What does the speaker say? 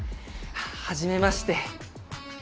はじめまして。